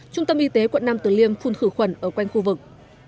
trung tâm y tế quận nam tử liêm phun khử khuẩn ở quanh khu vực